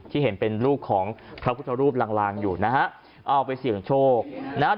ที่เห็นเป็นลูกของพระพุทธรูปลางลางอยู่นะฮะเอาไปเสี่ยงโชคนะฮะ